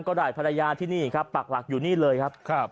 ก็ได้ภรรยาที่นี่ครับปักหลักอยู่นี่เลยครับ